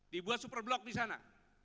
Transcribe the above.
dibuat super block di sana